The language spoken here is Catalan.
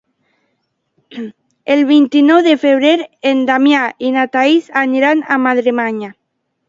El vint-i-nou de febrer en Damià i na Thaís aniran a Madremanya.